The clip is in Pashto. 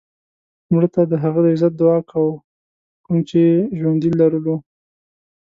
مړه ته د هغه عزت دعا کوو کوم یې چې ژوندی لرلو